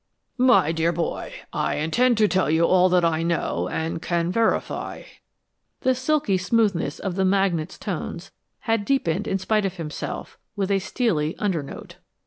"My dear boy, I intend to tell you all that I know and can verify." The silky smoothness of the magnate's tones had deepened in spite of himself, with a steely undernote.